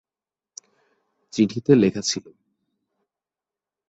চিঠিতে লেখা ছিলো।